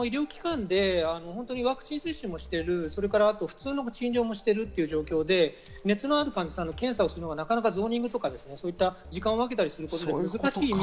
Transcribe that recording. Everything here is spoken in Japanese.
医療機関でワクチン接種もしてる、普通の診療もしてるという状況で、熱のある患者さんの検査をするのは、なかなかゾーニングとか、時間をわけたりするのは難しい。